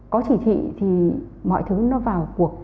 có chỉ thị thì mọi thứ nó vào cuộc